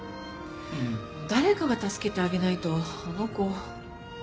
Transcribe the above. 誰かが助けてあげないとあの子。